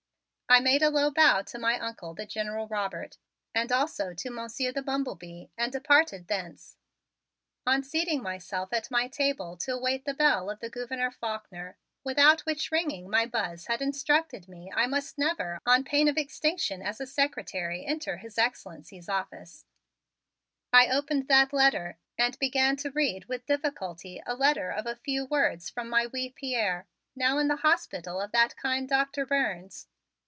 I made a low bow to my Uncle, the General Robert, and also to Monsieur the Bumble Bee and departed thence. On seating myself at my table to await the bell of the Gouverneur Faulkner, without which ringing my Buzz had instructed me I must never on pain of extinction as a secretary enter His Excellency's office, I opened that letter and began to read with difficulty a letter of a few words from my wee Pierre, now in the hospital of that kind Doctor Burns.